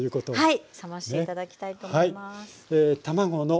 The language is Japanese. はい。